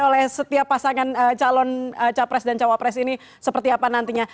oleh setiap pasangan calon capres dan cawapres ini seperti apa nantinya